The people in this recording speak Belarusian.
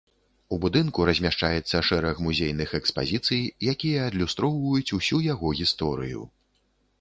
У будынку размяшчаецца шэраг музейных экспазіцый, якія адлюстроўваюць ўсю яго гісторыю.